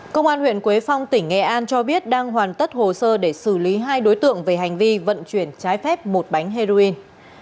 công an huyện quế phong tỉnh nghệ an cho biết đang hoàn tất hồ sơ để xử lý hai đối tượng về hành vi vận chuyển trái phép một bánh heroin